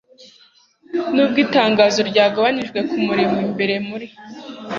Nubwo Itangazo Ryagabanijwe Kumurimo Imbere muri